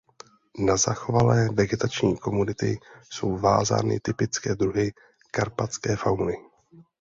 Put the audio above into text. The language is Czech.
Na zachovalé vegetační komunity jsou vázány typické druhy karpatské fauny.